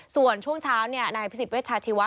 ส่วนช่วงเช้าเนี่ยนายพิศิวิทชาธิวะ